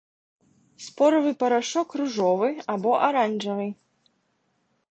Споравы парашок ружовы або аранжавы.